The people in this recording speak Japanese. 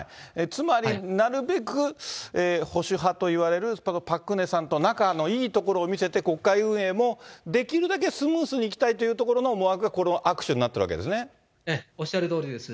つまりなるべく保守派といわれるこのパク・クネさんと仲のいいところを見せて、国会運営もできるだけスムースにいきたいというところの思惑がこおっしゃるとおりです。